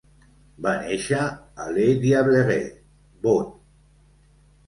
Va néixer a Les Diablerets, Vaud.